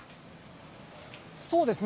そうですね。